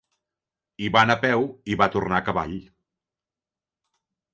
Hi va anar a peu i va tornar a cavall.